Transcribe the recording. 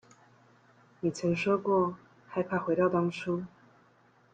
你曾說過害怕回到當初